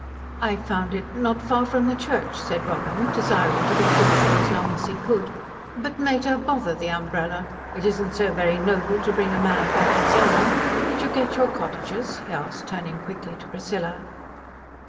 "I found it not far from the church," said Robin, desiring to be truthful as long as he could. "But mater, bother the umbrella. It isn't so very noble to bring a man back his own. Did you get your cottages?" he asked, turning quickly to Priscilla.